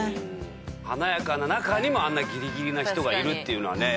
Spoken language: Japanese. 華やかな中にもあんなギリギリな人がいるっていうのはね。